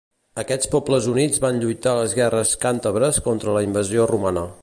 Aquests pobles units van lluitar a les guerres càntabres contra la invasió romana.